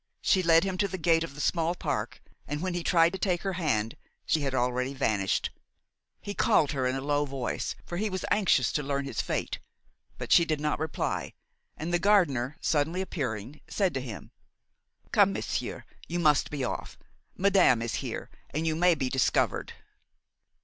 She led him to the gate of the small park, and, when he tried to take her hand, she had already vanished. He called her in a low voice, for he was anxious to learn his fate; but she did not reply, and the gardener, suddenly appearing, said to him: "Come, monsieur, you must be off; madame is here and you may be discovered."